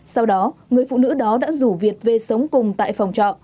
sau đó người phụ nữ đó đã rủ việt về sống cùng tại phòng trọ